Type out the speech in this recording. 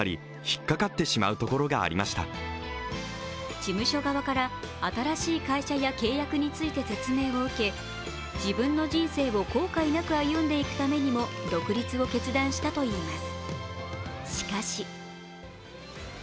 事務所側から新しい会社や契約について説明を受け、自分の人生を後悔なく歩んでいくためにも独立を決断したといいます。